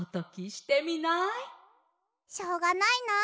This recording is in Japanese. しょうがないな。